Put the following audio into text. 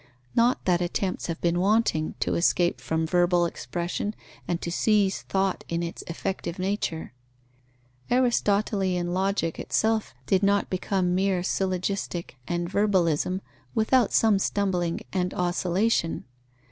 Not that attempts have been wanting to escape from verbal expression and to seize thought in its effective nature. Aristotelian logic itself did not become mere syllogistic and verbalism, without some stumbling and oscillation.